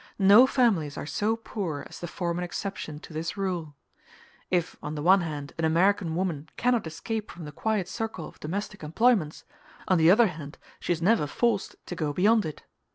No families are so poor as to form an exception to this rule. If on the one hand an American woman cannot escape from the quiet circle of domestic employments, on the other hand she is never forced to go beyond it.